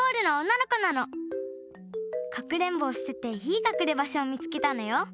かくれんぼをしてていいかくればしょをみつけたのよ。